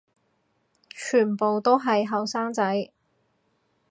全部都係後生仔